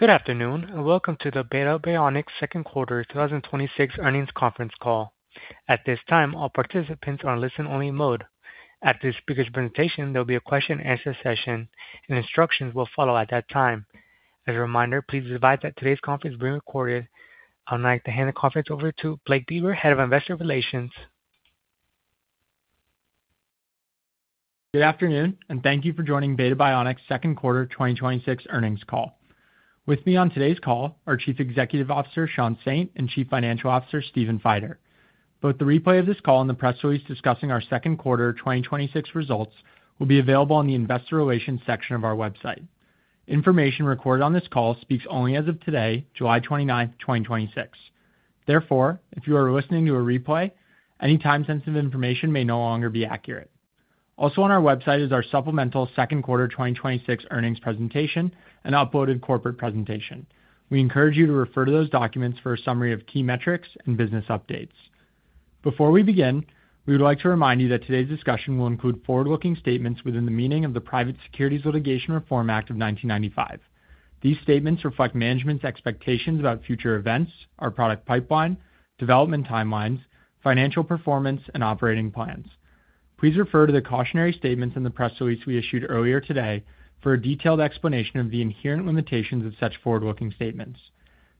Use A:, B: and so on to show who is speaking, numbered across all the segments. A: Good afternoon, welcome to the Beta Bionics second quarter 2026 earnings conference call. At this time, all participants are in listen only mode. After the speaker's presentation, there'll be a question and answer session, and instructions will follow at that time. As a reminder, please be advised that today's conference is being recorded. I would like to hand the conference over to Blake Beber, Head of Investor Relations.
B: Good afternoon, thank you for joining Beta Bionics second quarter 2026 earnings call. With me on today's call are Chief Executive Officer, Sean Saint, and Chief Financial Officer, Stephen Feider. Both the replay of this call and the press release discussing our second quarter 2026 results will be available in the investor relations section of our website. Information recorded on this call speaks only as of today, July 29th, 2026. Therefore, if you are listening to a replay, any time-sensitive information may no longer be accurate. Also on our website is our supplemental second quarter 2026 earnings presentation and uploaded corporate presentation. We encourage you to refer to those documents for a summary of key metrics and business updates. Before we begin, we would like to remind you that today's discussion will include forward-looking statements within the meaning of the Private Securities Litigation Reform Act of 1995. These statements reflect management's expectations about future events, our product pipeline, development timelines, financial performance and operating plans. Please refer to the cautionary statements in the press release we issued earlier today for a detailed explanation of the inherent limitations of such forward-looking statements.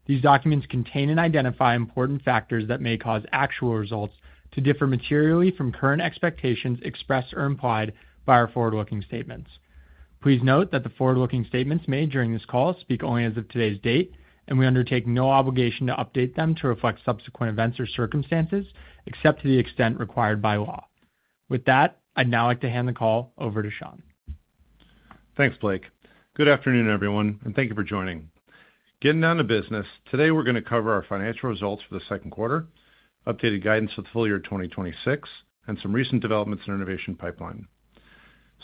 B: These documents contain and identify important factors that may cause actual results to differ materially from current expectations expressed or implied by our forward-looking statements. Please note that the forward-looking statements made during this call speak only as of today's date, we undertake no obligation to update them to reflect subsequent events or circumstances except to the extent required by law. With that, I'd now like to hand the call over to Sean.
C: Thanks, Blake. Good afternoon, everyone, thank you for joining. Getting down to business, today we're going to cover our financial results for the second quarter, updated guidance for the full year 2026, some recent developments in our innovation pipeline.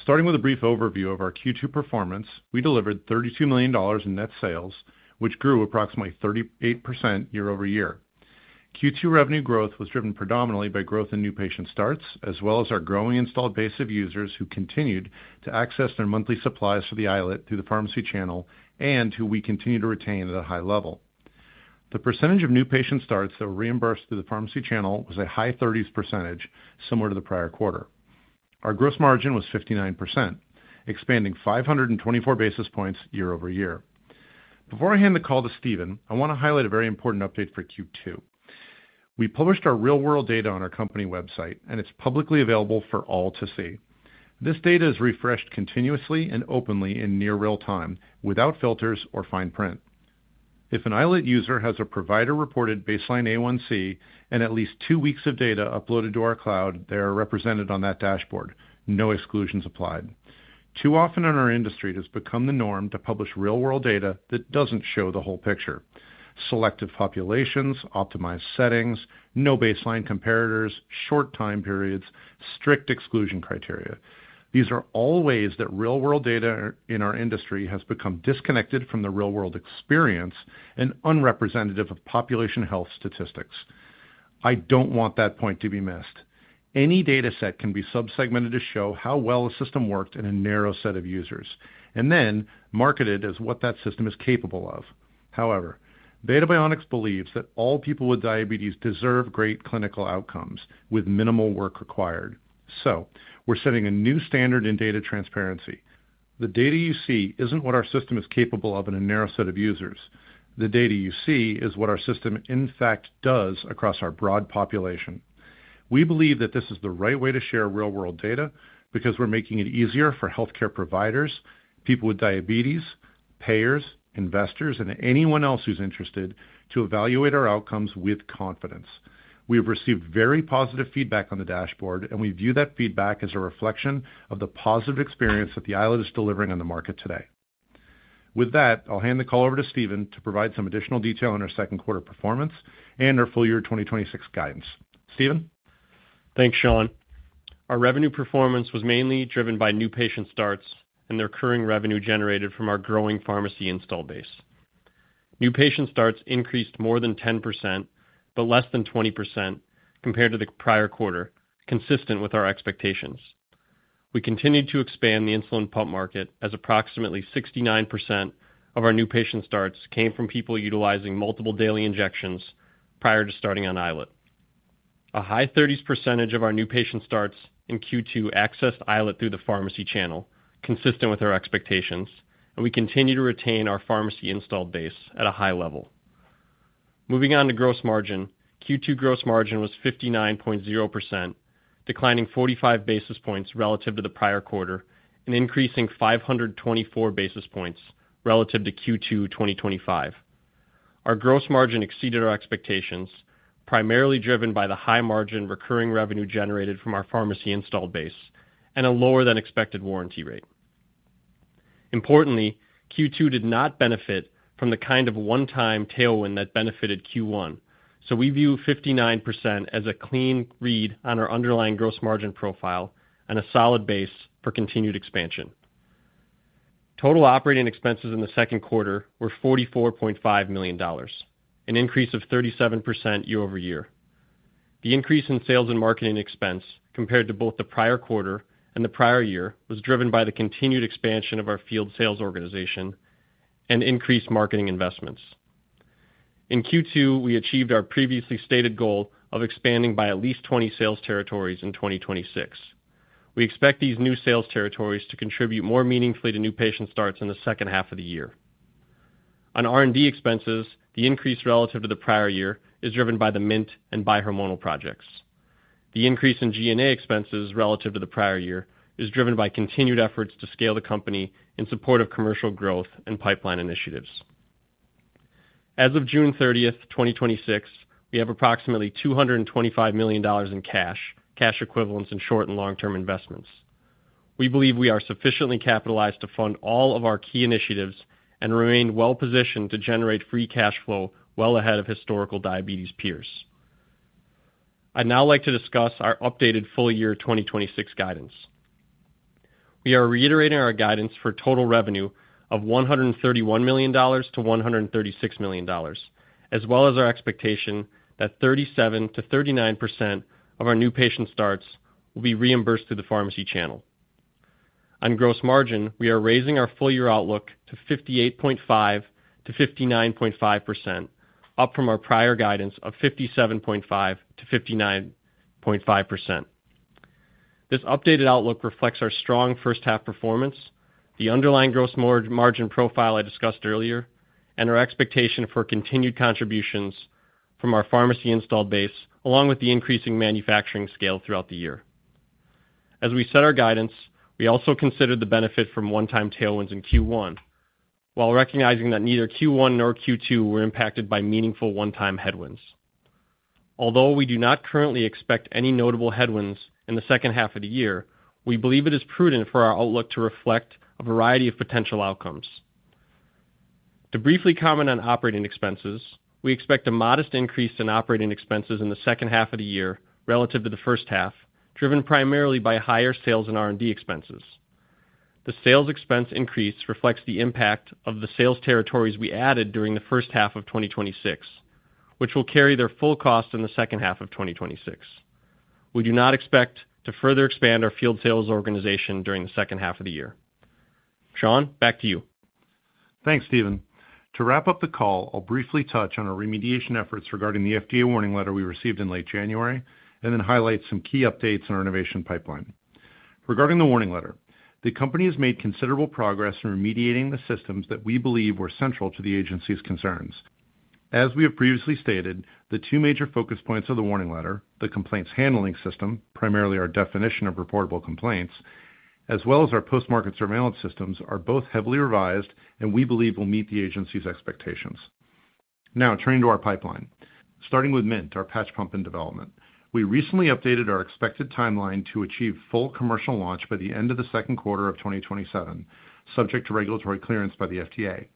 C: Starting with a brief overview of our Q2 performance, we delivered $32 million in net sales, which grew approximately 38% year-over-year. Q2 revenue growth was driven predominantly by growth in new patient starts, as well as our growing installed base of users who continued to access their monthly supplies for the iLet through the pharmacy channel and who we continue to retain at a high level. The percentage of new patient starts that were reimbursed through the pharmacy channel was a high 30s%, similar to the prior quarter. Our gross margin was 59%, expanding 524 basis points year-over-year. Before I hand the call to Stephen, I want to highlight a very important update for Q2. We published our real world data on our company website, and it's publicly available for all to see. This data is refreshed continuously and openly in near real time, without filters or fine print. If an iLet user has a provider-reported baseline A1C and at least two weeks of data uploaded to our cloud, they are represented on that dashboard, no exclusions applied. Too often in our industry, it has become the norm to publish real world data that doesn't show the whole picture. Selected populations, optimized settings, no baseline comparators, short time periods, strict exclusion criteria. These are all ways that real world data in our industry has become disconnected from the real world experience and unrepresentative of population health statistics. I don't want that point to be missed. Any dataset can be sub-segmented to show how well a system worked in a narrow set of users, and then marketed as what that system is capable of. However, Beta Bionics believes that all people with diabetes deserve great clinical outcomes with minimal work required. We're setting a new standard in data transparency. The data you see isn't what our system is capable of in a narrow set of users. The data you see is what our system in fact does across our broad population. We believe that this is the right way to share real world data because we're making it easier for healthcare providers, people with diabetes, payers, investors, and anyone else who's interested to evaluate our outcomes with confidence. We have received very positive feedback on the dashboard, and we view that feedback as a reflection of the positive experience that the iLet is delivering on the market today. With that, I'll hand the call over to Stephen to provide some additional detail on our second-quarter performance and our full-year 2026 guidance. Stephen?
D: Thanks, Sean. Our revenue performance was mainly driven by new patient starts and the recurring revenue generated from our growing pharmacy install base. New patient starts increased more than 10%, but less than 20% compared to the prior quarter, consistent with our expectations. We continued to expand the insulin pump market as approximately 69% of our new patient starts came from people utilizing multiple daily injections prior to starting on iLet. A high 30s percentage of our new patient starts in Q2 accessed iLet through the pharmacy channel, consistent with our expectations, and we continue to retain our pharmacy installed base at a high level. Moving on to gross margin, Q2 gross margin was 59.0%, declining 45 basis points relative to the prior quarter and increasing 524 basis points relative to Q2 2025. Our gross margin exceeded our expectations, primarily driven by the high-margin recurring revenue generated from our pharmacy install base and a lower than expected warranty rate. Importantly, Q2 did not benefit from the kind of one-time tailwind that benefited Q1. We view 59% as a clean read on our underlying gross margin profile and a solid base for continued expansion. Total operating expenses in the second quarter were $44.5 million, an increase of 37% year-over-year. The increase in sales and marketing expense compared to both the prior quarter and the prior year was driven by the continued expansion of our field sales organization and increased marketing investments. In Q2, we achieved our previously stated goal of expanding by at least 20 sales territories in 2026. We expect these new sales territories to contribute more meaningfully to new patient starts in the second half of the year. On R&D expenses, the increase relative to the prior year is driven by the Mint and bi-hormonal projects. The increase in G&A expenses relative to the prior year is driven by continued efforts to scale the company in support of commercial growth and pipeline initiatives. As of June 30th, 2026, we have approximately $225 million in cash equivalent and short and long-term investments. We believe we are sufficiently capitalized to fund all of our key initiatives and remain well-positioned to generate free cash flow well ahead of historical diabetes peers. I'd now like to discuss our updated full-year 2026 guidance. We are reiterating our guidance for total revenue of $131 million-$136 million, as well as our expectation that 37%-39% of our new patient starts will be reimbursed through the pharmacy channel. On gross margin, we are raising our full year outlook to 58.5%-59.5%, up from our prior guidance of 57.5%-59.5%. This updated outlook reflects our strong first half performance, the underlying gross margin profile I discussed earlier, and our expectation for continued contributions from our pharmacy installed base, along with the increasing manufacturing scale throughout the year. As we set our guidance, we also considered the benefit from one-time tailwinds in Q1, while recognizing that neither Q1 nor Q2 were impacted by meaningful one-time headwinds. Although we do not currently expect any notable headwinds in the second half of the year, we believe it is prudent for our outlook to reflect a variety of potential outcomes. To briefly comment on operating expenses, we expect a modest increase in operating expenses in the second half of the year relative to the first half, driven primarily by higher sales and R&D expenses. The sales expense increase reflects the impact of the sales territories we added during the first half of 2026, which will carry their full cost in the second half of 2026. We do not expect to further expand our field sales organization during the second half of the year. Sean, back to you.
C: Thanks, Stephen. To wrap up the call, I'll briefly touch on our remediation efforts regarding the FDA warning letter we received in late January and then highlight some key updates on our innovation pipeline. Regarding the warning letter, the company has made considerable progress in remediating the systems that we believe were central to the agency's concerns. As we have previously stated, the two major focus points of the warning letter, the complaints handling system, primarily our definition of reportable complaints, as well as our post-market surveillance systems, are both heavily revised and we believe will meet the agency's expectations. Turning to our pipeline. Starting with Mint, our patch pump in development. We recently updated our expected timeline to achieve full commercial launch by the end of the second quarter of 2027, subject to regulatory clearance by the FDA.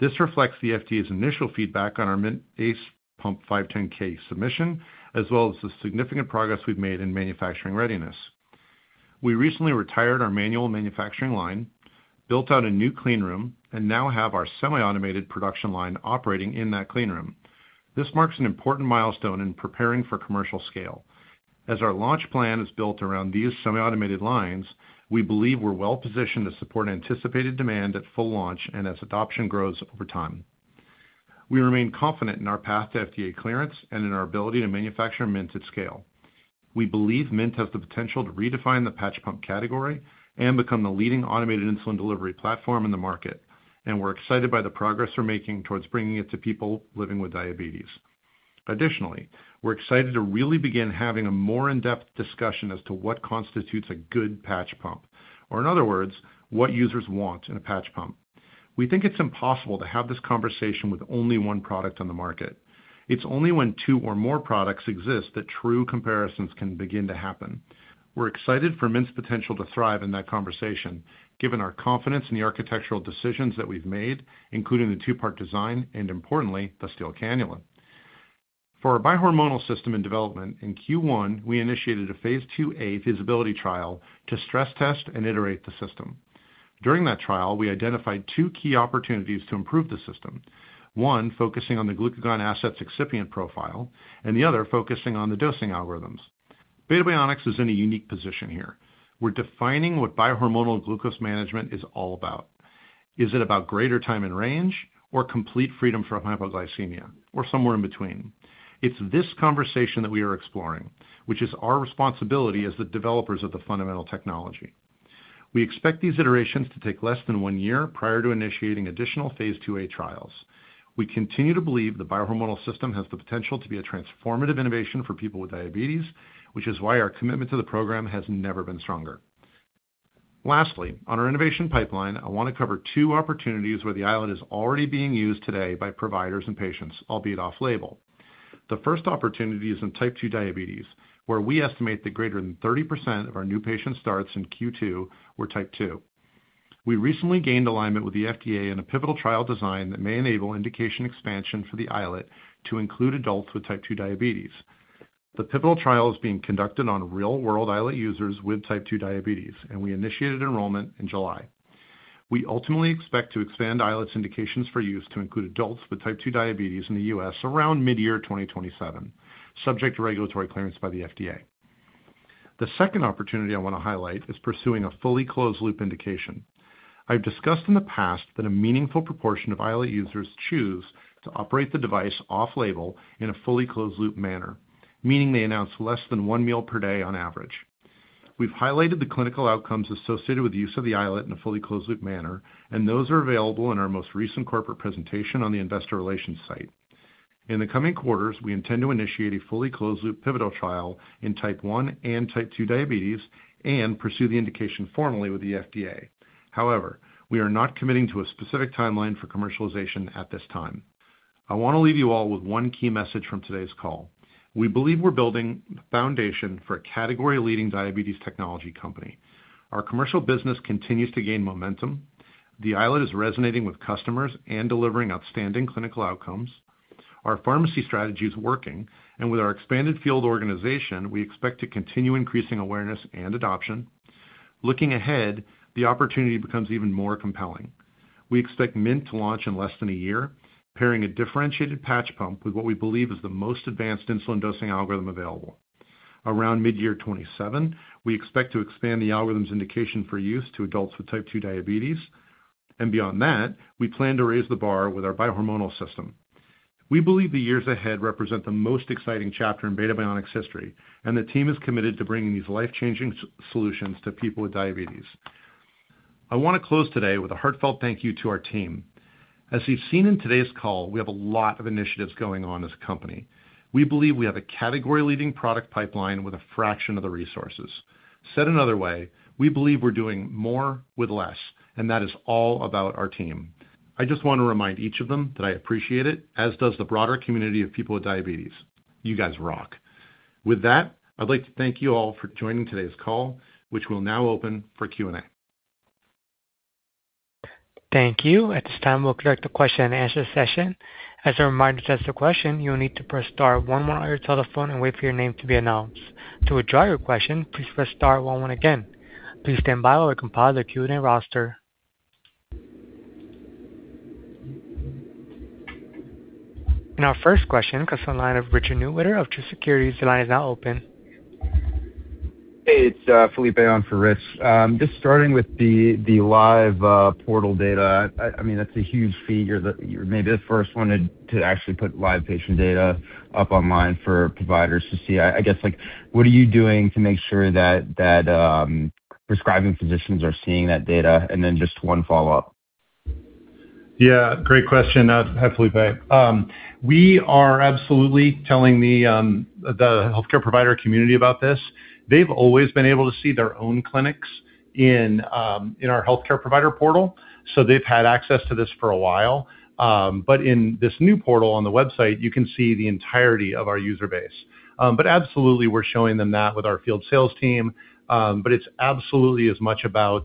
C: This reflects the FDA's initial feedback on our Mint ACE Pump 510(k) submission, as well as the significant progress we've made in manufacturing readiness. We recently retired our manual manufacturing line, built out a new clean room, and now have our semi-automated production line operating in that clean room. This marks an important milestone in preparing for commercial scale. As our launch plan is built around these semi-automated lines, we believe we're well positioned to support anticipated demand at full launch and as adoption grows over time. We remain confident in our path to FDA clearance and in our ability to manufacture Mint at scale. We believe Mint has the potential to redefine the patch pump category and become the leading automated insulin delivery platform in the market, and we're excited by the progress we're making towards bringing it to people living with diabetes. We're excited to really begin having a more in-depth discussion as to what constitutes a good patch pump, or in other words, what users want in a patch pump. We think it's impossible to have this conversation with only one product on the market. It's only when two or more products exist that true comparisons can begin to happen. We're excited for Mint's potential to thrive in that conversation, given our confidence in the architectural decisions that we've made, including the two-part design, and importantly, the steel cannula. For our bi-hormonal system and development, in Q1, we initiated a phase IIa feasibility trial to stress test and iterate the system. During that trial, we identified two key opportunities to improve the system, one focusing on the glucagon asset's excipient profile, and the other focusing on the dosing algorithms. Beta Bionics is in a unique position here. We're defining what bi-hormonal glucose management is all about. Is it about greater time in range or complete freedom from hypoglycemia, or somewhere in between? It's this conversation that we are exploring, which is our responsibility as the developers of the fundamental technology. We expect these iterations to take less than one year prior to initiating additional phase IIa trials. We continue to believe the bi-hormonal system has the potential to be a transformative innovation for people with diabetes, which is why our commitment to the program has never been stronger. On our innovation pipeline, I want to cover two opportunities where the iLet is already being used today by providers and patients, albeit off-label. The first opportunity is in type 2 diabetes, where we estimate that greater than 30% of our new patient starts in Q2 were type 2. We recently gained alignment with the FDA in a pivotal trial design that may enable indication expansion for the iLet to include adults with type 2 diabetes. The pivotal trial is being conducted on real-world iLet users with type 2 diabetes, and we initiated enrollment in July. We ultimately expect to expand iLet indications for use to include adults with type 2 diabetes in the U.S. around midyear 2027, subject to regulatory clearance by the FDA. The second opportunity I want to highlight is pursuing a fully closed loop indication. I've discussed in the past that a meaningful proportion of iLet users choose to operate the device off-label in a fully closed loop manner, meaning they announce less than one meal per day on average. We've highlighted the clinical outcomes associated with use of the iLet in a fully closed loop manner, and those are available in our most recent corporate presentation on the investor relations site. In the coming quarters, we intend to initiate a fully closed loop pivotal trial in type 1 and type 2 diabetes and pursue the indication formally with the FDA. However, we are not committing to a specific timeline for commercialization at this time. I want to leave you all with one key message from today's call. We believe we're building the foundation for a category leading diabetes technology company. Our commercial business continues to gain momentum. The iLet is resonating with customers and delivering outstanding clinical outcomes. Our pharmacy strategy is working, and with our expanded field organization, we expect to continue increasing awareness and adoption. Looking ahead, the opportunity becomes even more compelling. We expect Mint to launch in less than a year, pairing a differentiated patch pump with what we believe is the most advanced insulin dosing algorithm available. Around midyear 2027, we expect to expand the algorithm's indication for use to adults with type 2 diabetes. Beyond that, we plan to raise the bar with our bi-hormonal system. We believe the years ahead represent the most exciting chapter in Beta Bionics' history, and the team is committed to bringing these life-changing solutions to people with diabetes. I want to close today with a heartfelt thank you to our team. As you've seen in today's call, we have a lot of initiatives going on as a company. We believe we have a category leading product pipeline with a fraction of the resources. Said another way, we believe we're doing more with less, and that is all about our team. I just want to remind each of them that I appreciate it, as does the broader community of people with diabetes. You guys rock. With that, I'd like to thank you all for joining today's call, which we'll now open for Q&A.
A: Thank you. At this time, we'll conduct a question-and-answer session. As a reminder to ask the question, you will need to press star one on your telephone and wait for your name to be announced. To withdraw your question, please press star one one again. Please stand by while we compile the Q&A roster. Our first question comes from the line of Rich Newitter of Truist Securities. Your line is now open.
E: Hey, it's Felipe on for Rich. Just starting with the live portal data. That's a huge figure that you're maybe the first one to actually put live patient data up online for providers to see. I guess, what are you doing to make sure that prescribing physicians are seeing that data? Just one follow-up.
C: Yeah. Great question, Felipe. We are absolutely telling the healthcare provider community about this. They've always been able to see their own clinics in our healthcare provider portal. They've had access to this for a while. In this new portal on the website, you can see the entirety of our user base. Absolutely, we're showing them that with our field sales team. It's absolutely as much about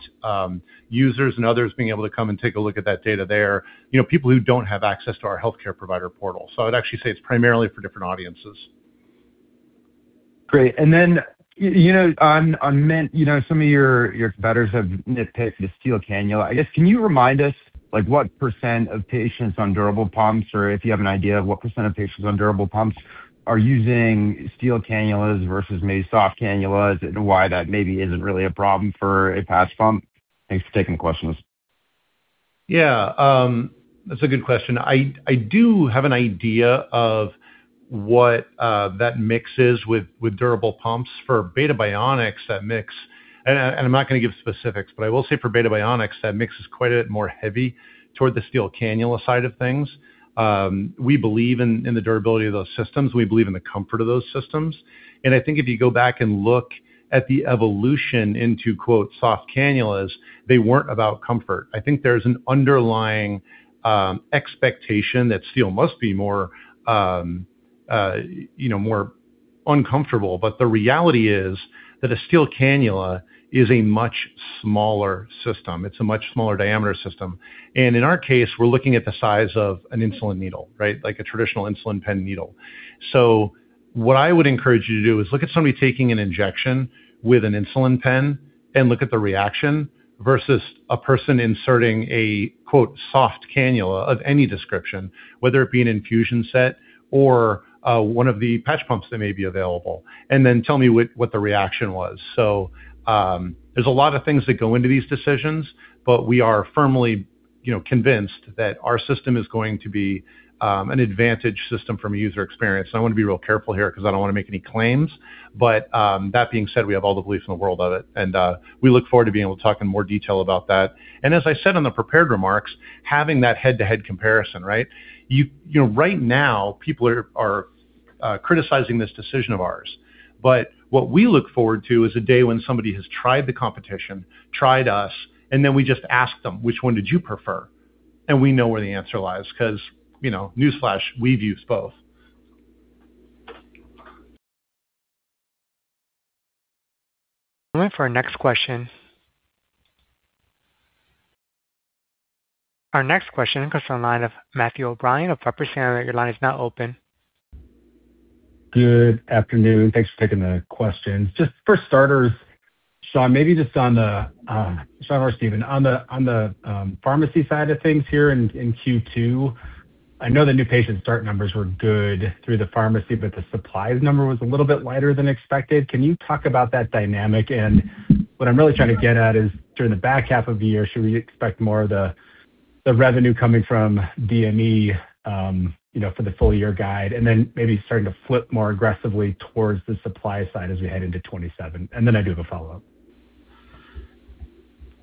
C: users and others being able to come and take a look at that data there, people who don't have access to our healthcare provider portal. I'd actually say it's primarily for different audiences.
E: Great. On Mint, some of your competitors have nitpicked the steel cannula. I guess, can you remind us what percent of patients on durable pumps, or if you have an idea of what percent of patients on durable pumps are using steel cannulas versus soft cannulas and why that maybe isn't really a problem for a patch pump? Thanks for taking the questions.
C: That's a good question. I do have an idea of what that mix is with durable pumps. For Beta Bionics, that mix, and I'm not going to give specifics, but I will say for Beta Bionics, that mix is quite a bit more heavy toward the steel cannula side of things. We believe in the durability of those systems. We believe in the comfort of those systems. I think if you go back and look at the evolution into "soft cannulas," they weren't about comfort. I think there's an underlying expectation that steel must be more uncomfortable. The reality is that a steel cannula is a much smaller system. It's a much smaller diameter system. In our case, we're looking at the size of an insulin needle. Like a traditional insulin pen needle. What I would encourage you to do is look at somebody taking an injection with an insulin pen and look at the reaction versus a person inserting a "soft cannula" of any description, whether it be an infusion set or one of the patch pumps that may be available, and then tell me what the reaction was. There's a lot of things that go into these decisions, but we are firmly convinced that our system is going to be an advantage system from a user experience. I want to be real careful here because I don't want to make any claims. That being said, we have all the belief in the world of it, and we look forward to being able to talk in more detail about that. As I said on the prepared remarks, having that head-to-head comparison, right? Right now, people are criticizing this decision of ours. What we look forward to is a day when somebody has tried the competition, tried us, and then we just ask them, "Which one did you prefer?" We know where the answer lies because, newsflash, we've used both.
A: Waiting for our next question. Our next question comes from the line of Matthew O'Brien of Piper Sandler. Your line is now open.
F: Good afternoon. Thanks for taking the questions. Just for starters, Sean, or Stephen, on the pharmacy side of things here in Q2, I know the new patient start numbers were good through the pharmacy, but the supplies number was a little bit lighter than expected. Can you talk about that dynamic? What I'm really trying to get at is during the back half of the year, should we expect more of the revenue coming from DME for the full year guide? Then maybe starting to flip more aggressively towards the supply side as we head into 2027. Then I do have a follow-up.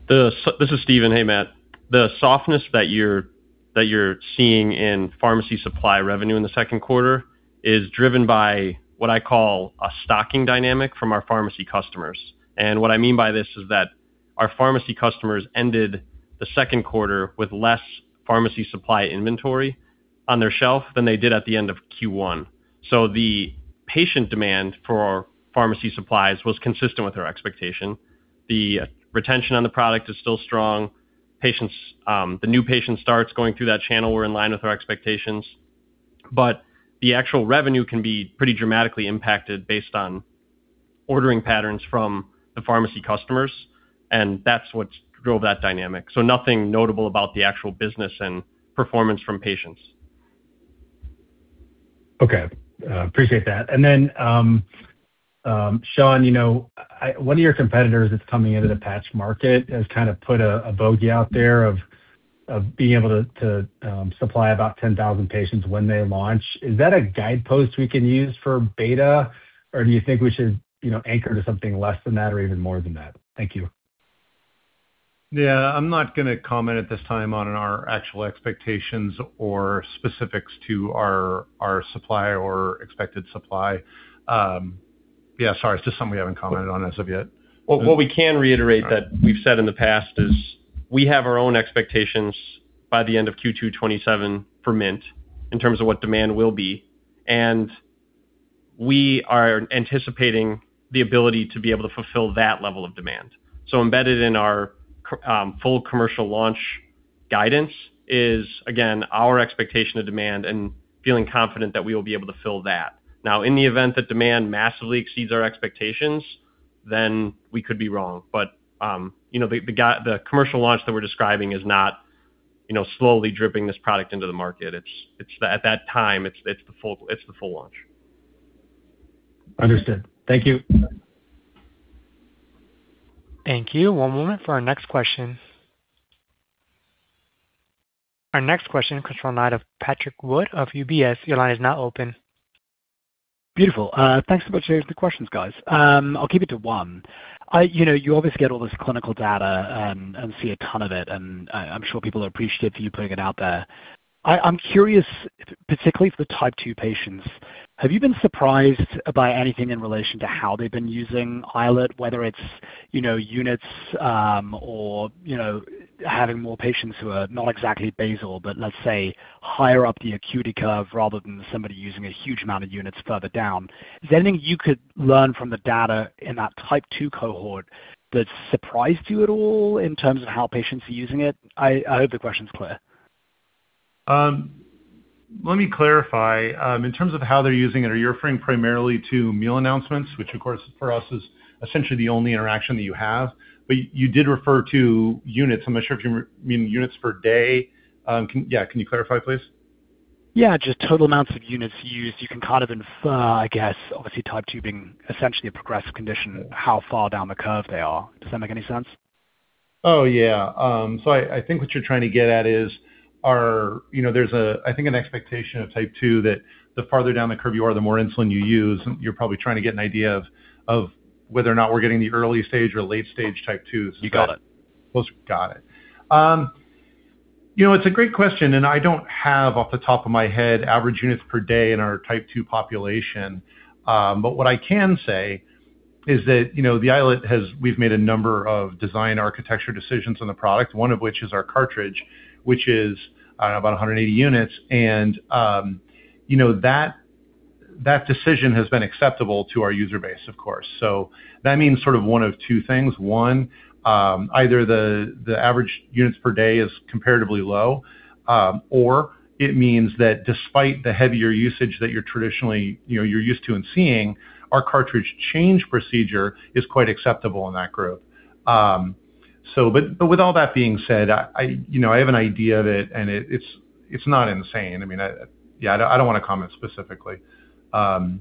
D: This is Stephen. Hey, Matt. The softness that you're seeing in pharmacy supply revenue in the second quarter is driven by what I call a stocking dynamic from our pharmacy customers. What I mean by this is that our pharmacy customers ended the second quarter with less pharmacy supply inventory on their shelf than they did at the end of Q1. The patient demand for our pharmacy supplies was consistent with our expectation. The retention on the product is still strong. The new patient starts going through that channel were in line with our expectations. The actual revenue can be pretty dramatically impacted based on ordering patterns from the pharmacy customers, and that's what drove that dynamic. Nothing notable about the actual business and performance from patients.
F: Okay. Appreciate that. Then, Sean, one of your competitors that's coming into the patch market has kind of put a bogey out there of being able to supply about 10,000 patients when they launch. Is that a guidepost we can use for Beta, or do you think we should anchor to something less than that or even more than that? Thank you.
C: Yeah, I'm not going to comment at this time on our actual expectations or specifics to our supply or expected supply. Yeah, sorry, it's just something we haven't commented on as of yet.
D: What we can reiterate that we've said in the past is we have our own expectations by the end of Q2 2027 for Mint, in terms of what demand will be, and we are anticipating the ability to be able to fulfill that level of demand. Embedded in our full commercial launch guidance is, again, our expectation of demand and feeling confident that we will be able to fill that. In the event that demand massively exceeds our expectations, then we could be wrong. The commercial launch that we're describing is not slowly dripping this product into the market. At that time, it's the full launch.
F: Understood. Thank you.
A: Thank you. One moment for our next question. Our next question comes from the line of Patrick Wood of UBS. Your line is now open.
G: Beautiful. Thanks so much for the questions, guys. I'll keep it to one. You obviously get all this clinical data, and see a ton of it, and I'm sure people are appreciative of you putting it out there. I'm curious, particularly for the type 2 patients, have you been surprised by anything in relation to how they've been using iLet? Whether it's units, or having more patients who are not exactly basal, but let's say, higher up the acuity curve rather than somebody using a huge amount of units further down. Is there anything you could learn from the data in that type 2 cohort that's surprised you at all in terms of how patients are using it? I hope the question's clear.
C: Let me clarify. In terms of how they're using it, are you referring primarily to meal announcements? Which, of course, for us, is essentially the only interaction that you have. But you did refer to units. I'm not sure if you mean units per day. Yeah, can you clarify, please?
G: Yeah, just total amounts of units used. You can kind of infer, I guess. Obviously, type 2 being essentially a progressive condition, how far down the curve they are. Does that make any sense?
C: Oh, yeah. I think what you're trying to get at is there's, I think, an expectation of type 2 that the farther down the curve you are, the more insulin you use. You're probably trying to get an idea of whether or not we're getting the early stage or late stage type 2.
G: You got it.
C: Got it. It's a great question. I don't have off the top of my head average units per day in our type 2 population. What I can say is that the iLet, we've made a number of design architecture decisions on the product, one of which is our cartridge, which is about 180 units. That decision has been acceptable to our user base, of course. That means sort of one of two things. One, either the average units per day is comparatively low, or it means that despite the heavier usage that you're used to in seeing, our cartridge change procedure is quite acceptable in that group. With all that being said, I have an idea of it, and it's not insane. I don't want to comment specifically. I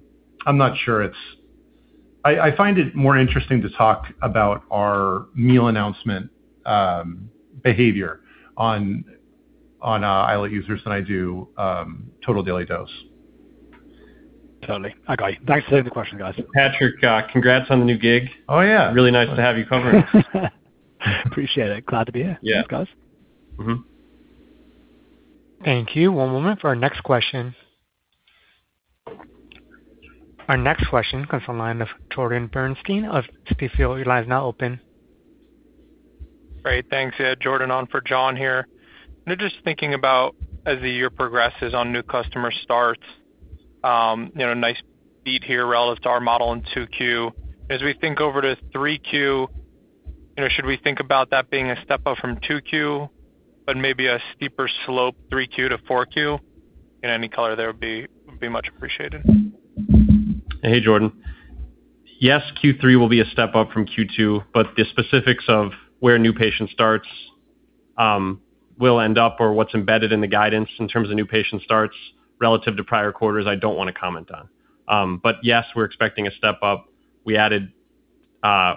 C: find it more interesting to talk about our meal announcement behavior on iLet users than I do total daily dose.
G: Totally. Okay. Thanks for taking the question, guys.
C: Patrick, congrats on the new gig.
G: Oh, yeah.
C: Really nice to have you covered.
G: Appreciate it. Glad to be here.
C: Yeah.
G: Thanks, guys.
A: Thank you. One moment for our next question. Our next question comes from the line of Jordan Bernstein of Stifel. Your line is now open.
H: Great. Thanks, yeah. Jordan on for John here. Just thinking about as the year progresses on new customer starts, nice beat here relative to our model in 2Q. As we think over to 3Q, should we think about that being a step up from 2Q, but maybe a steeper slope, 3Q to 4Q? Any color there would be much appreciated.
D: Hey, Jordan. Yes, Q3 will be a step up from Q2. The specifics of where new patient starts will end up or what's embedded in the guidance in terms of new patient starts relative to prior quarters, I don't want to comment on. Yes, we're expecting a step up. We added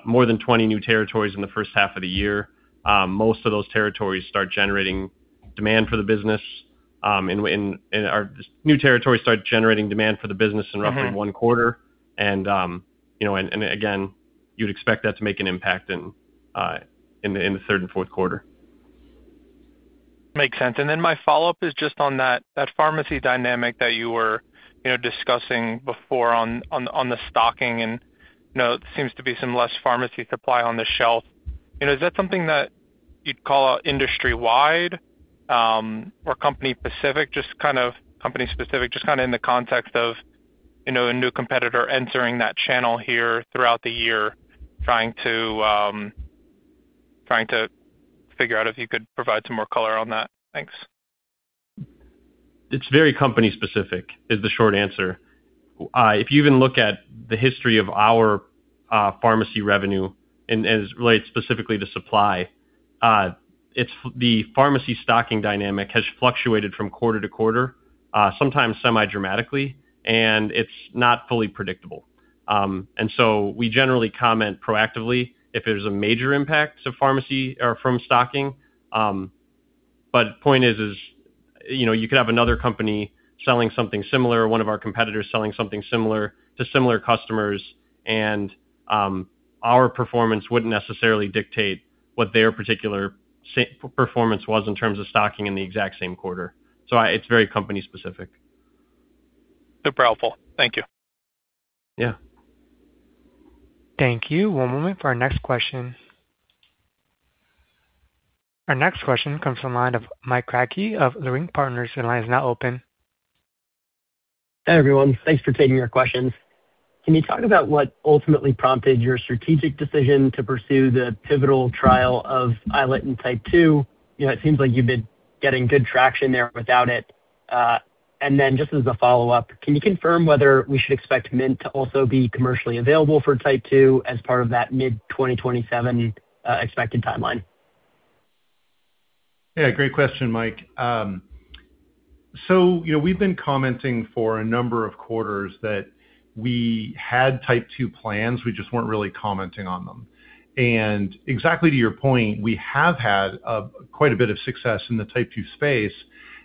D: more than 20 new territories in the first half of the year. Most of those territories start generating demand for the business in roughly one quarter. Again, you'd expect that to make an impact in the third and fourth quarter.
H: Makes sense. Then my follow-up is just on that pharmacy dynamic that you were discussing before on the stocking, and seems to be some less pharmacy supply on the shelf. Is that something that you'd call industry-wide or company-specific? Just kind of in the context of a new competitor entering that channel here throughout the year, trying to figure out if you could provide some more color on that. Thanks.
D: It's very company-specific, is the short answer. If you even look at the history of our pharmacy revenue and as it relates specifically to supply, the pharmacy stocking dynamic has fluctuated from quarter to quarter, sometimes semi-dramatically, and it's not fully predictable. So we generally comment proactively if there's a major impact to pharmacy or from stocking. Point is, you could have another company selling something similar, one of our competitors selling something similar to similar customers, and our performance wouldn't necessarily dictate what their particular performance was in terms of stocking in the exact same quarter. So it's very company-specific.
H: Super helpful. Thank you.
D: Yeah.
A: Thank you. One moment for our next question. Our next question comes from the line of Mike Kratky of Leerink Partners. Your line is now open.
I: Hi, everyone. Thanks for taking our questions. Can you talk about what ultimately prompted your strategic decision to pursue the pivotal trial of iLet in type 2? It seems like you've been getting good traction there without it. Then just as a follow-up, can you confirm whether we should expect Mint to also be commercially available for type 2 as part of that mid 2027 expected timeline?
C: Yeah. Great question, Mike. We've been commenting for a number of quarters that we had type 2 plans. We just weren't really commenting on them. Exactly to your point, we have had quite a bit of success in the type 2 space,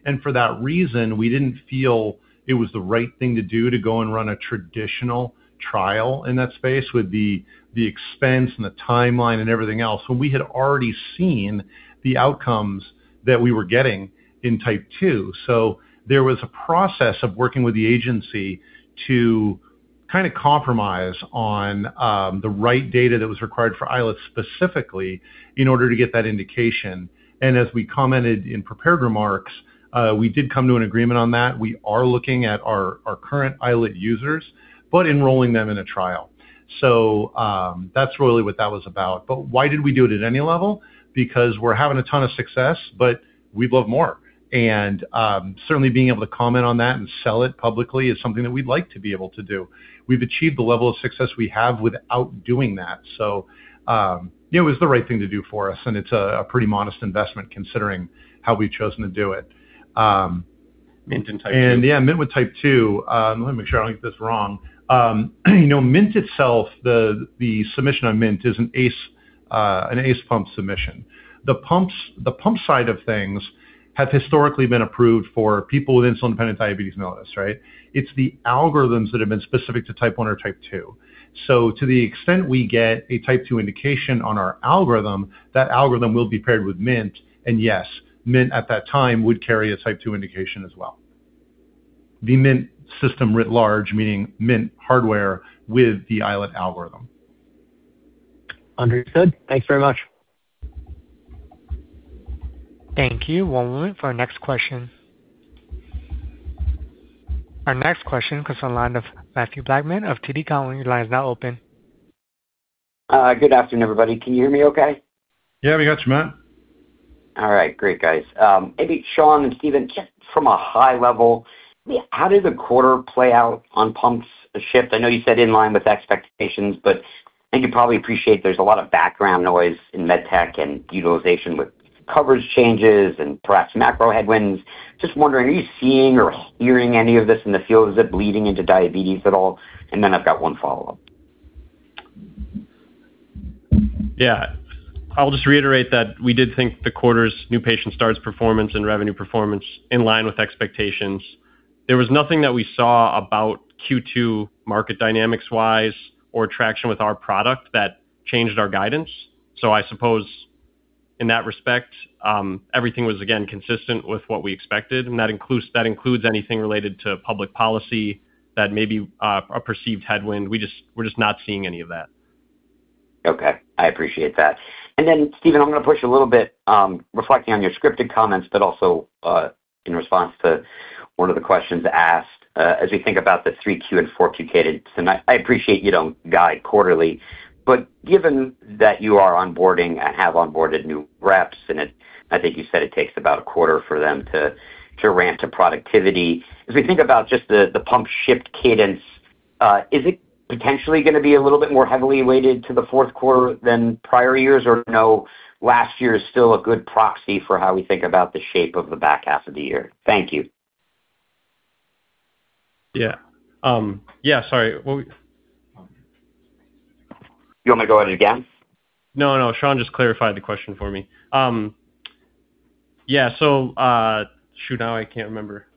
C: and for that reason, we didn't feel it was the right thing to do to go and run a traditional trial in that space with the expense and the timeline and everything else when we had already seen the outcomes that we were getting in type 2. There was a process of working with the agency to kind of compromise on the right data that was required for iLet specifically in order to get that indication. As we commented in prepared remarks, we did come to an agreement on that. We are looking at our current iLet users, but enrolling them in a trial. That's really what that was about. Why did we do it at any level? Because we're having a ton of success, but we'd love more. Certainly being able to comment on that and sell it publicly is something that we'd like to be able to do. We've achieved the level of success we have without doing that. It was the right thing to do for us, and it's a pretty modest investment considering how we've chosen to do it.
D: Mint and type 2.
C: Yeah, Mint with type 2. Let me make sure I don't get this wrong. Mint itself, the submission on Mint is an ACE pump submission. The pump side of things have historically been approved for people with insulin-dependent diabetes mellitus, right? It's the algorithms that have been specific to type 1 or type 2. To the extent we get a type 2 indication on our algorithm, that algorithm will be paired with Mint, and yes, Mint at that time would carry a type 2 indication as well. The Mint system writ large, meaning Mint hardware with the iLet algorithm.
I: Understood. Thanks very much.
A: Thank you. One moment for our next question. Our next question comes from the line of Mathew Blackman of TD Cowen. Your line is now open.
J: Good afternoon, everybody. Can you hear me okay?
C: Yeah, we got you, Matt.
J: All right. Great, guys. Maybe Sean and Stephen, just from a high level, how did the quarter play out on pumps shipped? I know you said in line with expectations, but I think you probably appreciate there's a lot of background noise in med tech and utilization with coverage changes and perhaps macro headwinds. Just wondering, are you seeing or hearing any of this in the field? Is it bleeding into diabetes at all? I've got one follow-up.
D: Yeah. I'll just reiterate that we did think the quarter's new patient starts performance and revenue performance in line with expectations. There was nothing that we saw about Q2 market dynamics-wise or traction with our product that changed our guidance. I suppose in that respect, everything was, again, consistent with what we expected, and that includes anything related to public policy that may be a perceived headwind. We're just not seeing any of that.
J: Okay. I appreciate that. Stephen, I'm going to push you a little bit, reflecting on your scripted comments, but also, in response to one of the questions asked, as we think about the 3Q and 4Q cadence, and I appreciate you don't guide quarterly, but given that you are onboarding and have onboarded new reps, and I think you said it takes about a quarter for them to ramp to productivity. As we think about just the pump ship cadence, is it potentially going to be a little bit more heavily weighted to the fourth quarter than prior years? No, last year is still a good proxy for how we think about the shape of the back half of the year? Thank you.
D: Yeah. Sorry, what.
J: You want me to go at it again?
D: No. Sean just clarified the question for me. Yeah. Shoot, now I can't remember.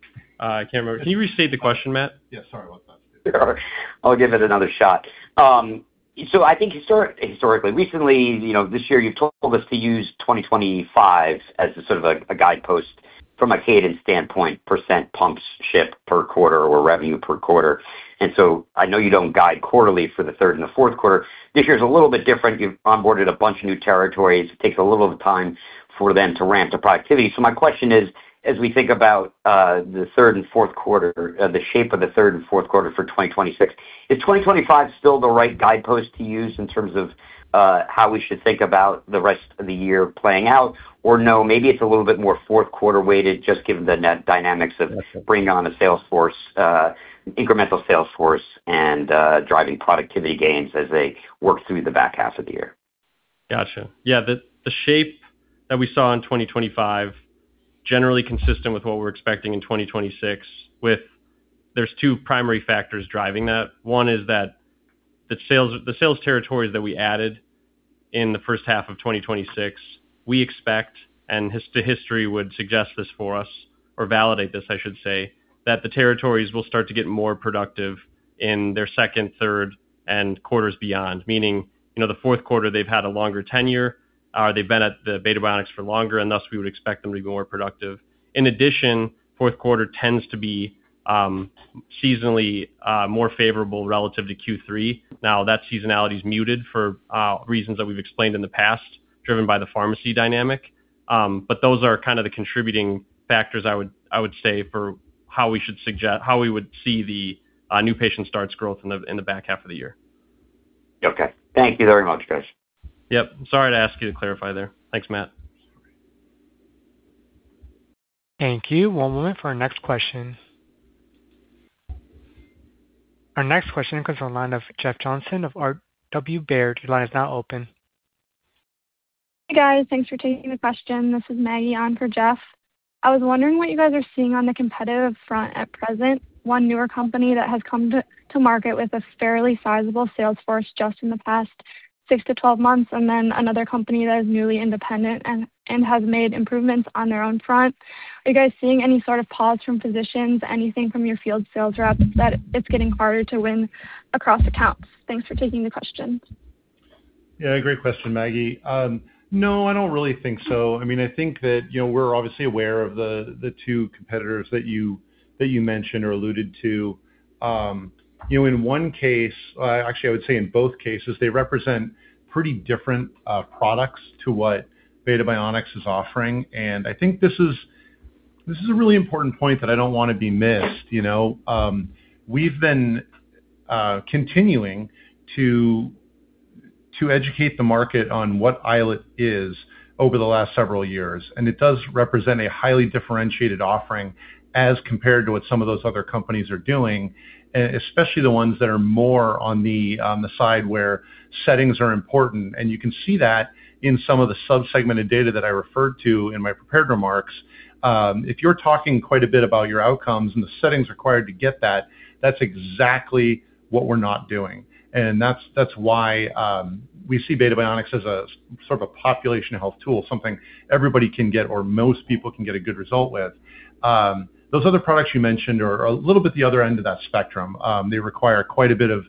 D: Can you restate the question, Matt?
C: Yeah, sorry about that.
J: I'll give it another shot. I think historically-- Recently, this year, you've told us to use 2025 as a sort of a guidepost from a cadence standpoint, percent pumps shipped per quarter or revenue per quarter. I know you don't guide quarterly for the third and the fourth quarter. This year's a little bit different. You've onboarded a bunch of new territories. It takes a little bit of time for them to ramp to productivity. My question is, as we think about the shape of the third and fourth quarter for 2026, is 2025 still the right guidepost to use in terms of how we should think about the rest of the year playing out? Maybe it's a little bit more fourth quarter-weighted, just given the net dynamics of bringing on an incremental sales force, and driving productivity gains as they work through the back half of the year.
D: Got you. Yeah, the shape that we saw in 2025, generally consistent with what we're expecting in 2026, with there are two primary factors driving that. One is that the sales territories that we added in the first half of 2026, we expect, and history would suggest this for us, or validate this, I should say, that the territories will start to get more productive in their second, third, and quarters beyond. Meaning, the fourth quarter, they've had a longer tenure. They've been at Beta Bionics for longer, and thus we would expect them to be more productive. In addition, fourth quarter tends to be seasonally more favorable relative to Q3. That seasonality's muted for reasons that we've explained in the past, driven by the pharmacy dynamic. Those are kind of the contributing factors, I would say, for how we would see the new patient starts growth in the back half of the year.
J: Okay. Thank you very much, guys.
D: Yep. Sorry to ask you to clarify there. Thanks, Matt.
C: Sorry.
A: Thank you. One moment for our next question. Our next question comes from the line of Jeff Johnson of RW Baird. Your line is now open.
K: Hey, guys. Thanks for taking the question. This is Maggie on for Jeff. I was wondering what you guys are seeing on the competitive front at present. One newer company that has come to market with a fairly sizable sales force just in the past 6-12 months, another company that is newly independent and has made improvements on their own front. Are you guys seeing any sort of pause from physicians, anything from your field sales reps that it's getting harder to win across accounts? Thanks for taking the question.
C: Yeah, great question, Maggie. No, I don't really think so. I think that, we're obviously aware of the two competitors that you mentioned or alluded to. In one case, actually I would say in both cases, they represent pretty different products to what Beta Bionics is offering. I think this is a really important point that I don't want to be missed. We've been continuing to educate the market on what iLet is over the last several years, it does represent a highly differentiated offering as compared to what some of those other companies are doing, especially the ones that are more on the side where settings are important. You can see that in some of the sub-segmented data that I referred to in my prepared remarks. If you're talking quite a bit about your outcomes and the settings required to get that's exactly what we're not doing. That's why, we see Beta Bionics as a sort of a population health tool, something everybody can get or most people can get a good result with. Those other products you mentioned are a little bit the other end of that spectrum. They require quite a bit of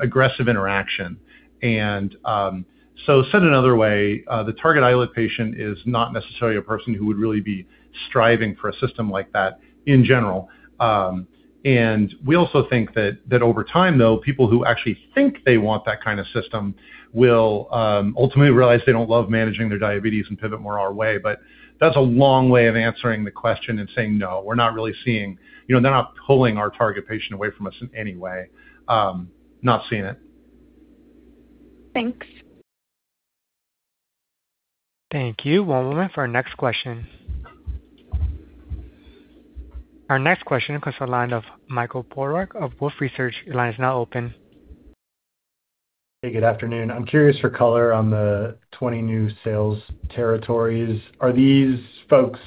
C: aggressive interaction. So said another way, the target iLet patient is not necessarily a person who would really be striving for a system like that in general. We also think that over time, though, people who actually think they want that kind of system will ultimately realize they don't love managing their diabetes and pivot more our way. That's a long way of answering the question and saying, no, we're not really seeing. They're not pulling our target patient away from us in any way. Not seeing it.
K: Thanks.
A: Thank you. One moment for our next question. Our next question comes to the line of Michael Polark of Wolfe Research. Your line is now open.
L: Hey, good afternoon. I'm curious for color on the 20 new sales territories. Are these folks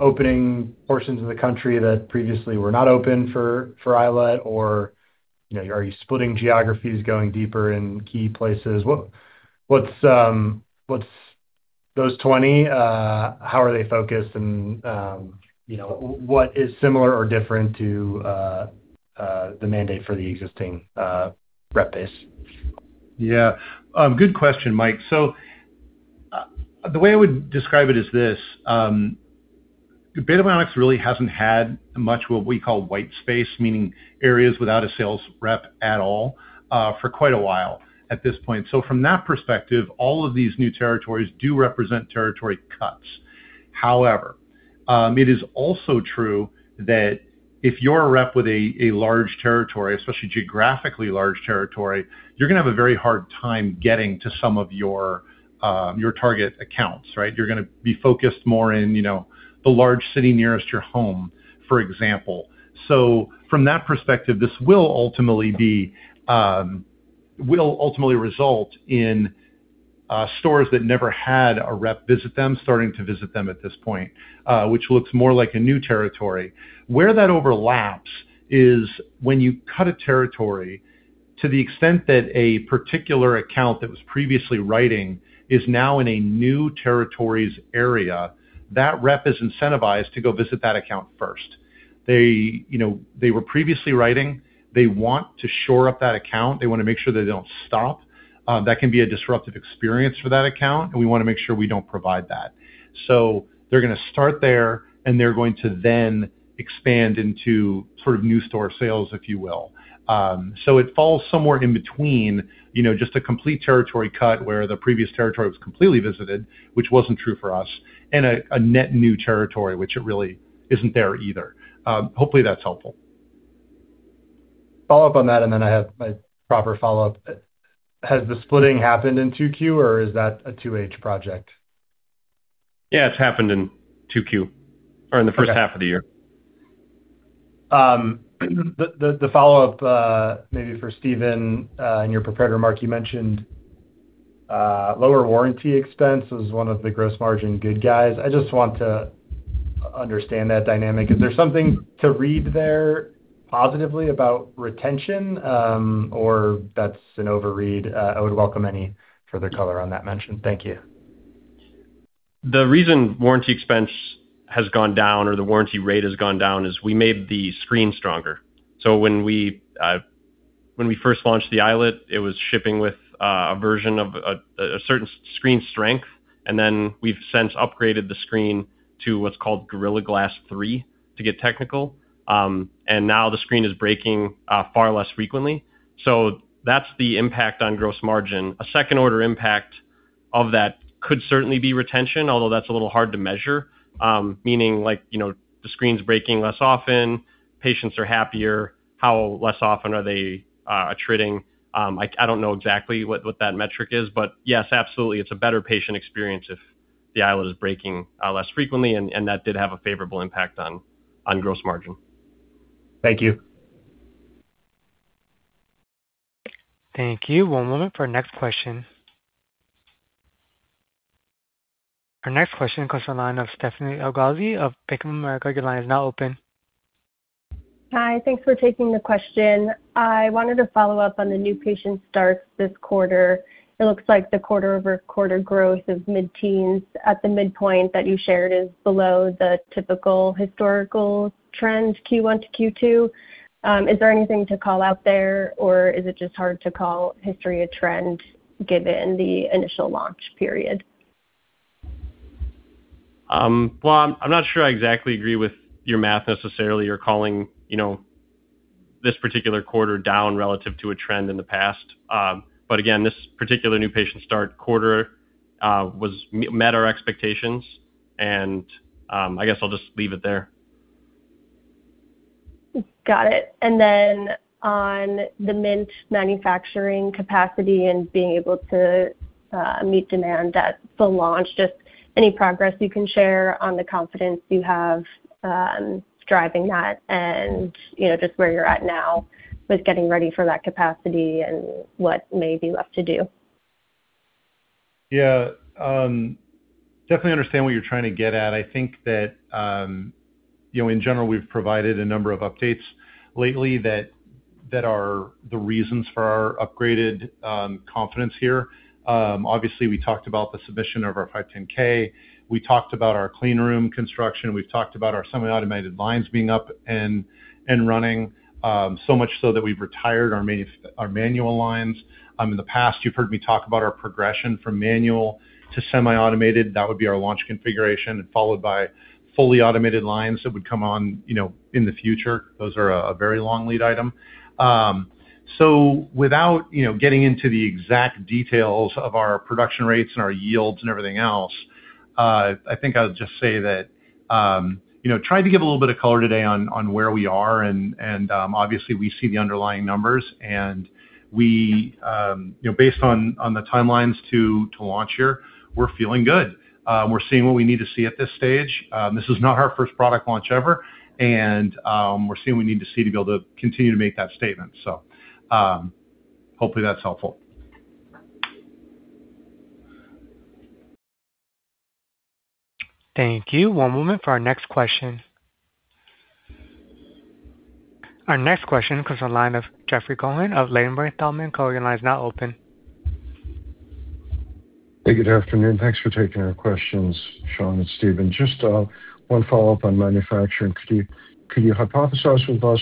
L: opening portions of the country that previously were not open for iLet, or are you splitting geographies, going deeper in key places? What's those 20, how are they focused, and what is similar or different to the mandate for the existing rep base?
C: Good question, Mike. The way I would describe it is this. Beta Bionics really hasn't had much what we call white space, meaning areas without a sales rep at all, for quite a while at this point. From that perspective, all of these new territories do represent territory cuts. However, it is also true that if you're a rep with a large territory, especially geographically large territory, you're going to have a very hard time getting to some of your target accounts, right? You're going to be focused more in the large city nearest your home, for example. From that perspective, this will ultimately result in stores that never had a rep visit them, starting to visit them at this point, which looks more like a new territory. Where that overlaps is when you cut a territory to the extent that a particular account that was previously writing is now in a new territory's area, that rep is incentivized to go visit that account first. They were previously writing. They want to shore up that account. They want to make sure they don't stop. That can be a disruptive experience for that account, and we want to make sure we don't provide that. They're going to start there, and they're going to then expand into sort of new store sales, if you will. It falls somewhere in between just a complete territory cut, where the previous territory was completely visited, which wasn't true for us, and a net new territory, which it really isn't there either. Hopefully, that's helpful.
L: Follow up on that, and then I have my proper follow-up. Has the splitting happened in 2Q, or is that a 2H project?
D: It's happened in 2Q or in the first half of the year.
L: The follow-up, maybe for Stephen, in your prepared remarks, you mentioned lower warranty expense was one of the gross margin good guys. I just want to understand that dynamic. Is there something to read there positively about retention? Or that is an overread? I would welcome any further color on that mention. Thank you.
D: The reason warranty expense has gone down, or the warranty rate has gone down, is we made the screen stronger. When we first launched the iLet, it was shipping with a version of a certain screen strength, and then we have since upgraded the screen to what is called Gorilla Glass 3, to get technical. Now the screen is breaking far less frequently. So that is the impact on gross margin. A second-order impact of that could certainly be retention, although that is a little hard to measure. Meaning like, the screen is breaking less often, patients are happier. How less often are they attriting? I do not know exactly what that metric is. But yes, absolutely. It is a better patient experience if the iLet is breaking less frequently, and that did have a favorable impact on gross margin.
L: Thank you.
A: Thank you. One moment for next question. Our next question comes to the line of Stephanie Elghazi of Bank of America Securities. Your line is now open.
M: Hi. Thanks for taking the question. I wanted to follow up on the new patient starts this quarter. It looks like the quarter-over-quarter growth is mid-teens at the midpoint that you shared is below the typical historical trend, Q1 to Q2. Is there anything to call out there, or is it just hard to call history a trend given the initial launch period?
D: Well, I'm not sure I exactly agree with your math necessarily. You're calling this particular quarter down relative to a trend in the past. Again, this particular new patient start quarter met our expectations, and, I guess I'll just leave it there.
M: Got it. Then on the Mint manufacturing capacity and being able to meet demand at the launch, just any progress you can share on the confidence you have driving that and just where you're at now with getting ready for that capacity and what may be left to do?
C: Yeah. Definitely understand what you're trying to get at. I think that, in general, we've provided a number of updates lately that are the reasons for our upgraded confidence here. Obviously, we talked about the submission of our form 10-K. We talked about our clean room construction. We've talked about our semi-automated lines being up and running, so much so that we've retired our manual lines. In the past, you've heard me talk about our progression from manual to semi-automated. That would be our launch configuration, followed by fully automated lines that would come on in the future. Those are a very long lead item. Without getting into the exact details of our production rates and our yields and everything else, I'll just say that, trying to give a little bit of color today on where we are, obviously we see the underlying numbers, based on the timelines to launch here, we're feeling good. We're seeing what we need to see at this stage. This is not our first product launch ever, we're seeing we need to see to be able to continue to make that statement. Hopefully, that's helpful.
A: Thank you. One moment for our next question. Our next question comes to the line of Jeffrey Cohen of Ladenburg Thalmann & Co. Your line is now open.
N: Hey, good afternoon. Thanks for taking our questions, Sean and Stephen. Just one follow-up on manufacturing. Could you hypothesize with us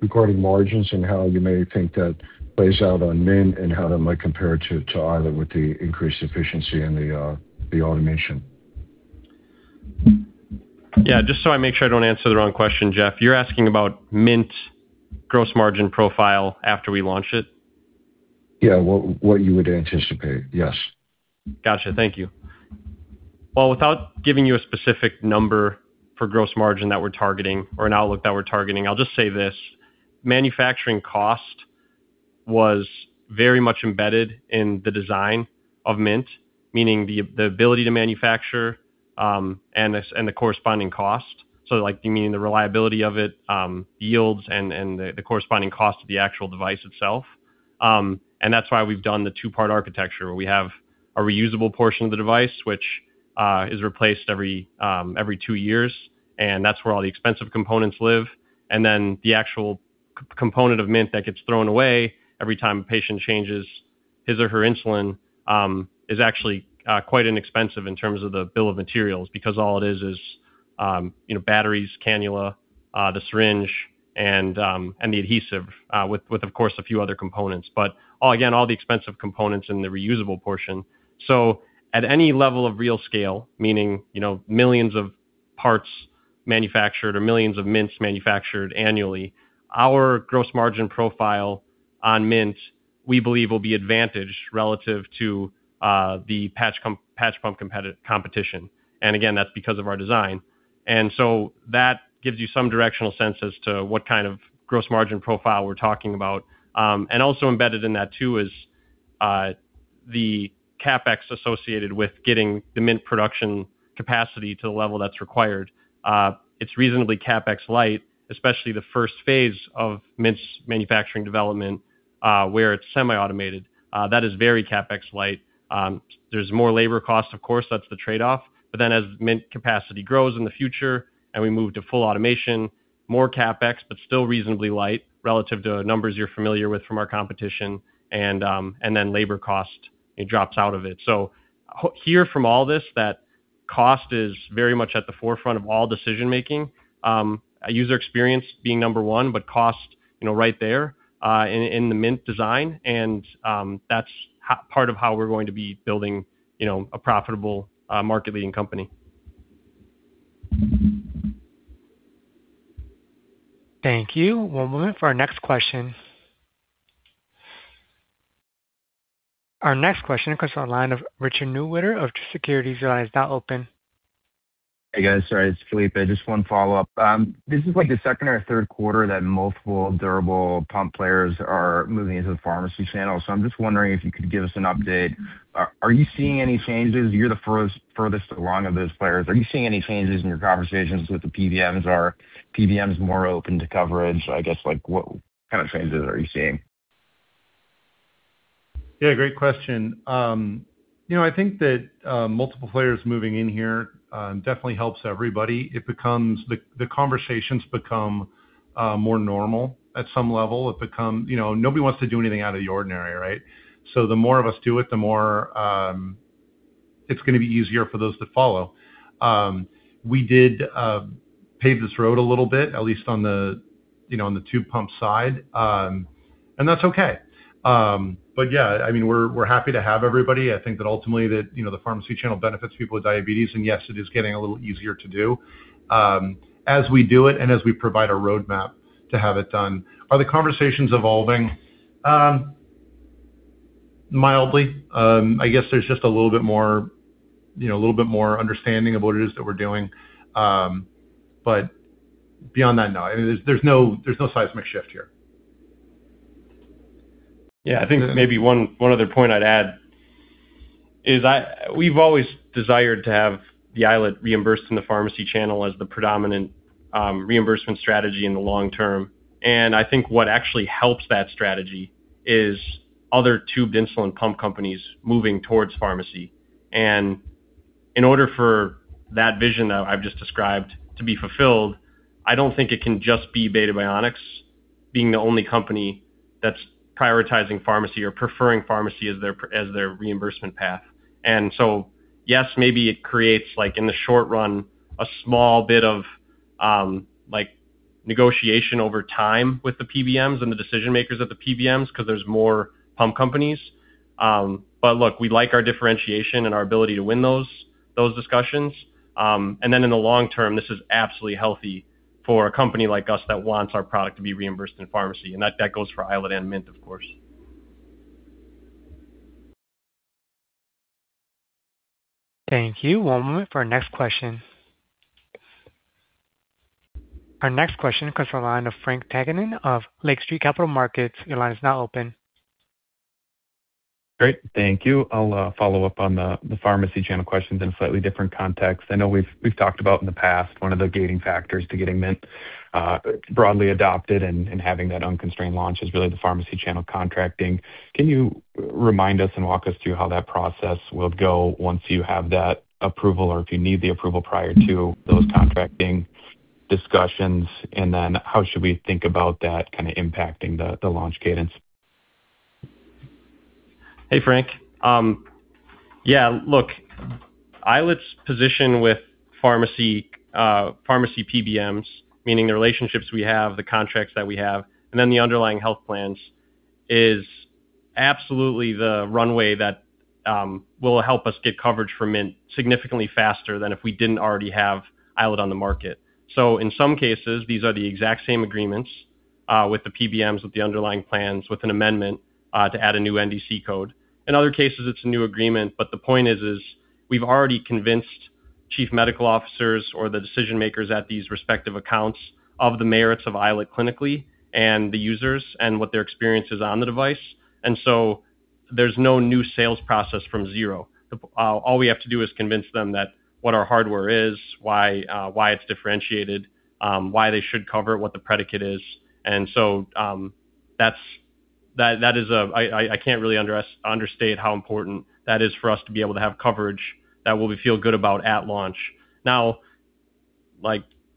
N: regarding margins and how you may think that plays out on Mint and how that might compare to iLet with the increased efficiency and the automation?
D: Yeah. Just so I make sure I don't answer the wrong question, Jeff, you're asking about Mint gross margin profile after we launch it?
N: Yeah. What you would anticipate. Yes.
D: Got you. Thank you. Without giving you a specific number for gross margin that we're targeting or an outlook that we're targeting, I'll just say this, manufacturing cost was very much embedded in the design of Mint. Meaning the ability to manufacture, and the corresponding cost. Like you mean the reliability of it, yields and the corresponding cost of the actual device itself. That's why we've done the two-part architecture where we have a reusable portion of the device, which is replaced every two years, and that's where all the expensive components live. The actual component of Mint that gets thrown away every time a patient changes his or her insulin, is actually quite inexpensive in terms of the bill of materials. All it is batteries, cannula, the syringe and the adhesive, with of course a few other components. All again, all the expensive components in the reusable portion. At any level of real scale, meaning millions of parts manufactured or millions of Mints manufactured annually, our gross margin profile on Mint, we believe will be advantaged relative to the patch pump competition. Again, that's because of our design. That gives you some directional sense as to what kind of gross margin profile we're talking about. Also embedded in that too is the CapEx associated with getting the Mint production capacity to the level that's required. It's reasonably CapEx light, especially the first phase of Mint's manufacturing development, where it's semi-automated. That is very CapEx light. There's more labor cost, of course, that's the trade-off. As Mint capacity grows in the future and we move to full automation, more CapEx, but still reasonably light relative to numbers you're familiar with from our competition and then labor cost, it drops out of it. Hear from all this, that cost is very much at the forefront of all decision making. User experience being number one, but cost right there, in the Mint design. That's part of how we're going to be building a profitable, market leading company.
A: Thank you. One moment for our next question. Our next question comes to the line of Richard Newitter of Truist Securities. Your line is now open.
E: Hey, guys. Sorry, it's Felipe. Just one follow-up. This is like the second or third quarter that multiple durable pump players are moving into the pharmacy channel. I'm just wondering if you could give us an update. Are you seeing any changes? You're the furthest along of those players. Are you seeing any changes in your conversations with the PBMs? Are PBMs more open to coverage? I guess, like what kind of changes are you seeing?
C: Yeah, great question. I think that multiple players moving in here definitely helps everybody. The conversations become more normal at some level. Nobody wants to do anything out of the ordinary, right? The more of us do it, the more it's going to be easier for those to follow. We did pave this road a little bit, at least on the tube pump side. That's okay. Yeah, we're happy to have everybody. I think that ultimately the pharmacy channel benefits people with diabetes and yes, it is getting a little easier to do, as we do it and as we provide a roadmap to have it done. Are the conversations evolving? Mildly. I guess there's just a little bit more understanding of what it is that we're doing. Beyond that, no. There's no seismic shift here.
D: Yeah, I think maybe one other point I'd add is we've always desired to have the iLet reimbursed in the pharmacy channel as the predominant reimbursement strategy in the long term. I think what actually helps that strategy is other tubed insulin pump companies moving towards pharmacy. In order for that vision that I've just described to be fulfilled, I don't think it can just be Beta Bionics being the only company that's prioritizing pharmacy or preferring pharmacy as their reimbursement path. Yes, maybe it creates, in the short run, a small bit of negotiation over time with the PBMs and the decision makers at the PBMs because there's more pump companies. Look, we like our differentiation and our ability to win those discussions. In the long term, this is absolutely healthy for a company like us that wants our product to be reimbursed in pharmacy. That goes for iLet and Mint, of course.
A: Thank you. One moment for our next question. Our next question comes from the line of Frank Takkinen of Lake Street Capital Markets. Your line is now open.
O: Great. Thank you. I'll follow up on the pharmacy channel questions in slightly different context. I know we've talked about in the past one of the gating factors to getting Mint broadly adopted and having that unconstrained launch is really the pharmacy channel contracting. Can you remind us and walk us through how that process will go once you have that approval or if you need the approval prior to those contracting discussions? How should we think about that kind of impacting the launch cadence?
D: Hey, Frank. Yeah, look, iLet's position with pharmacy PBMs, meaning the relationships we have, the contracts that we have, then the underlying health plans, is absolutely the runway that will help us get coverage for Mint significantly faster than if we didn't already have iLet on the market. In some cases, these are the exact same agreements, with the PBMs, with the underlying plans, with an amendment to add a new NDC code. In other cases, it's a new agreement. The point is we've already convinced chief medical officers or the decision-makers at these respective accounts of the merits of iLet clinically and the users and what their experience is on the device. There's no new sales process from zero. All we have to do is convince them that what our hardware is, why it's differentiated, why they should cover it, what the predicate is. I can't really understate how important that is for us to be able to have coverage that we feel good about at launch.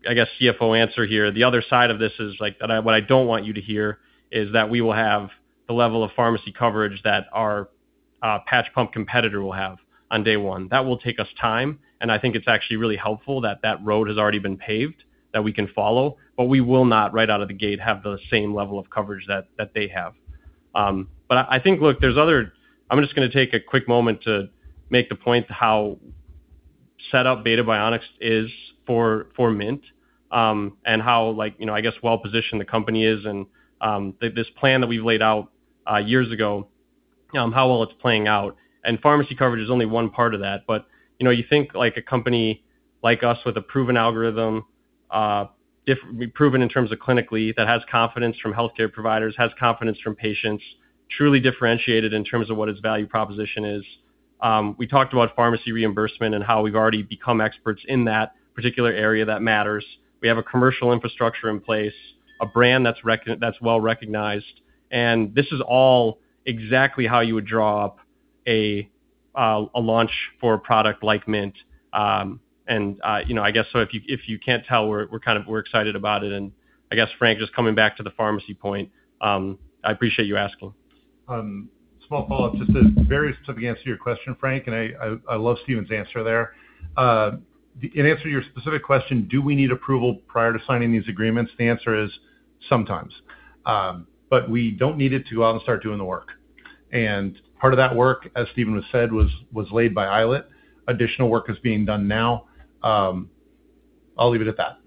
D: I guess CFO answer here. The other side of this is what I don't want you to hear is that we will have the level of pharmacy coverage that our patch pump competitor will have on day one. That will take us time, and I think it's actually really helpful that that road has already been paved, that we can follow. We will not, right out of the gate, have the same level of coverage that they have. I think, look, I'm just going to take a quick moment to make the point how set up Beta Bionics is for Mint. How well-positioned the company is and this plan that we've laid out years ago, how well it's playing out. Pharmacy coverage is only one part of that. You think a company like us with a proven algorithm, proven in terms of clinically, that has confidence from healthcare providers, has confidence from patients, truly differentiated in terms of what its value proposition is. We talked about pharmacy reimbursement and how we've already become experts in that particular area that matters. We have a commercial infrastructure in place, a brand that's well-recognized. This is all exactly how you would draw up a launch for a product like Mint. If you can't tell, we're excited about it and I guess Frank, just coming back to the pharmacy point, I appreciate you asking.
C: Small follow-up. Just to be very specific answer your question, Frank, and I love Stephen's answer there. In answer to your specific question, do we need approval prior to signing these agreements? The answer is sometimes. We don't need it to go out and start doing the work. Part of that work, as Stephen said, was laid by iLet. Additional work is being done now. I'll leave it at that.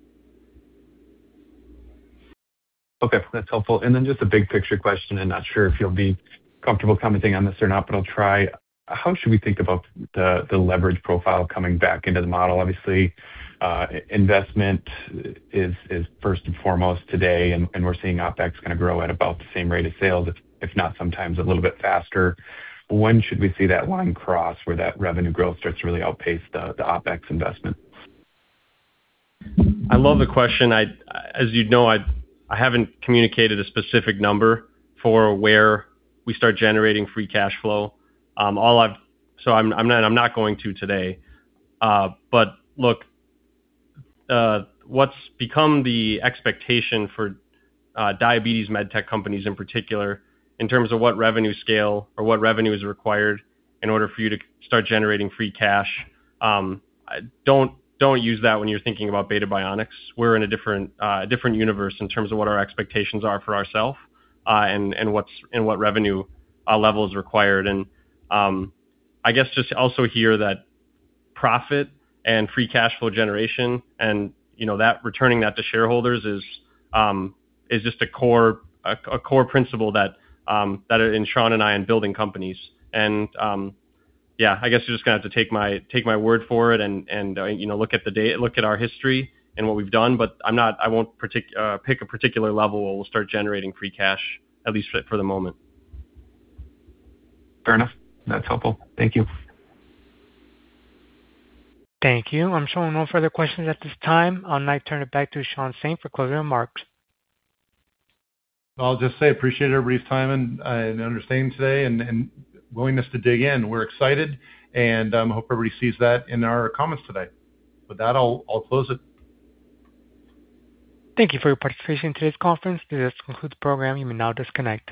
O: Okay. That's helpful. Just a big picture question, and not sure if you'll be comfortable commenting on this or not, but I'll try. How should we think about the leverage profile coming back into the model? Obviously, investment is first and foremost today, and we're seeing OpEx going to grow at about the same rate as sales, if not sometimes a little bit faster. When should we see that line cross where that revenue growth starts to really outpace the OpEx investment?
D: I love the question. As you know, I haven't communicated a specific number for where we start generating free cash flow. I'm not going to today. Look, what's become the expectation for diabetes med tech companies in particular, in terms of what revenue scale or what revenue is required in order for you to start generating free cash, don't use that when you're thinking about Beta Bionics. We're in a different universe in terms of what our expectations are for ourself, and what revenue level is required. I guess just also hear that profit and free cash flow generation and returning that to shareholders is just a core principle that in Sean and I in building companies. Yeah, I guess you're just going to have to take my word for it and look at our history and what we've done. I won't pick a particular level where we'll start generating free cash, at least for the moment.
O: Fair enough. That's helpful. Thank you.
A: Thank you. I'm showing no further questions at this time. I'll now turn it back to Sean Saint for closing remarks.
C: I'll just say appreciate everybody's time and understanding today and willingness to dig in. We're excited and hope everybody sees that in our comments today. With that, I'll close it.
A: Thank you for your participation in today's conference. This concludes the program. You may now disconnect.